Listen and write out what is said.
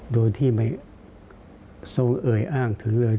โดยที่ไม่ทรงเอ่ยอ้างถึงเลย